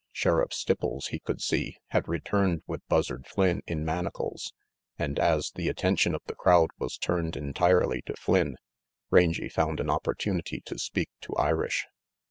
RANGY PETE 201 Sheriff Stipples, he could see, had returned with Buzzard Flynn hi manacles, and as the attention of the crowd was turned entirely to Flynn, Rangy found an opportunity to speak to Irish.